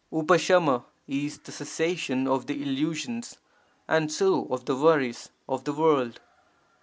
[dH^IH is the cessation of the illusions, and so of the worries, of the world.